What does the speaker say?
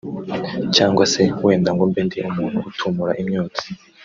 cyangwa se wenda ngo mbe ndi umuntu utumura imyonsi